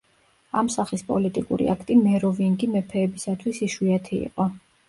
ამ სახის პოლიტიკური აქტი მეროვინგი მეფეებისათვის იშვიათი იყო.